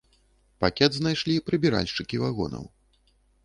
Пакет знайшлі прыбіральшчыкі вагонаў.